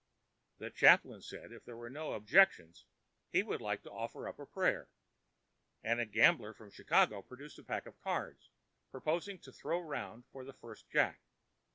The chaplain said if there were no objections he would like to offer up a prayer, and a gambler from Chicago, producing a pack of cards, proposed to throw round for the first jack.